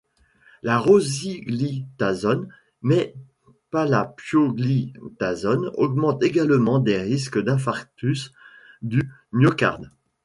La rosiglitazone, mais pas la pioglitazone augmente également les risques d’infarctus du myocarde.